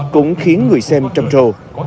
cũng khiến người xem trầm trồ